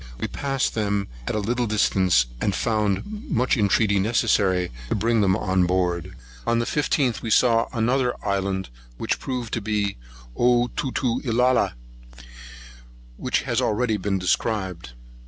[136 2] We passed them at a little distance, and found much intreaty necessary to bring them on board. On the 15th, we saw another island, which proved to be Otutuelah,[136 3] which has been already described.